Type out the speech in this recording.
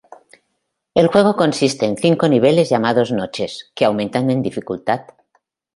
El juego consiste en cinco niveles llamados "noches", que aumentan en dificultad.